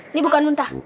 ini bukan muntah